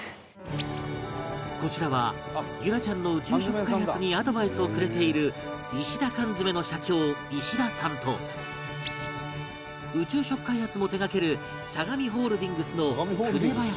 こちらは結桜ちゃんの宇宙食開発にアドバイスをくれている石田缶詰の社長石田さんと宇宙食開発も手がけるサガミホールディングスの榑林さん